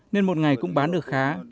nên một ngày cũng bán được khá